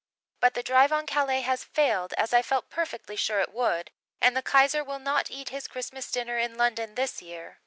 But the drive on Calais has failed, as I felt perfectly sure it would, and the Kaiser will not eat his Christmas dinner in London this year.